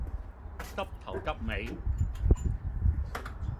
執頭執尾